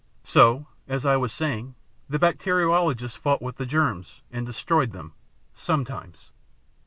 So, as I was saying, the bacteriologists fought with the germs and destroyed them sometimes.